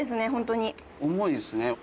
重いですね。